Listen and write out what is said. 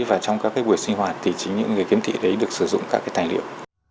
và trong các buổi sinh hoạt thì chính những người khiếm thị đấy được sử dụng các thành liệu